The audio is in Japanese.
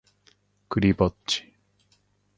クリぼっち